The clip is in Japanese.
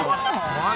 はい。